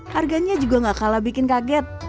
harganya juga gak kalah bikin kaget